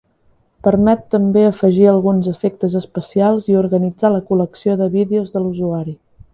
Permet també afegir alguns efectes especials i organitzar la col·lecció de vídeos de l'usuari.